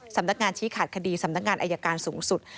สำนักงานชี้ขาดคดีสำนักงานอายการสูงสุด